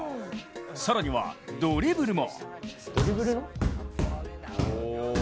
更にはドリブルも。